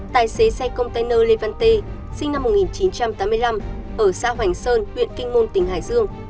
tài xế xe container levante sinh năm một nghìn chín trăm tám mươi năm ở xã hoành sơn huyện kinh môn tỉnh hải dương